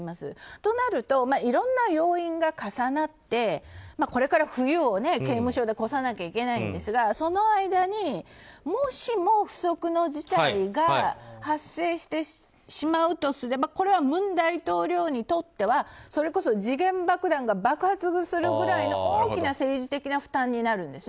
となるといろんな要因が重なってこれから冬を刑務所で越さなきゃいけないんですがその間にもしも、不測の事態が発生してしまうとすればこれは文大統領にとっては時限爆弾が爆発するくらいの大きな政治的な負担になるんです。